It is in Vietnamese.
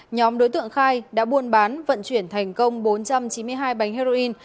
nhóm đối tượng khai đã buôn bán vận chuyển thành công bốn trăm chín mươi hai bánh heroin